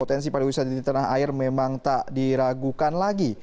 potensi pariwisata di tanah air memang tak diragukan lagi